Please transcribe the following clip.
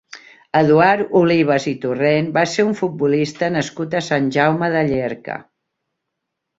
Eduard Olivas i Torrent va ser un futbolista nascut a Sant Jaume de Llierca.